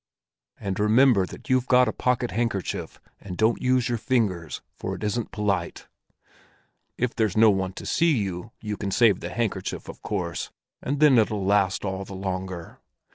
And remember that you've got a pocket handkerchief, and don't use your fingers, for that isn't polite. If there's no one to see you, you can save the handkerchief, of course, and then it'll last all the longer.